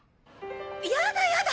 やだやだ！